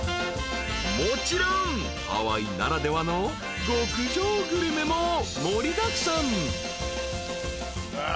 ［もちろんハワイならではの極上グルメも盛りだくさん］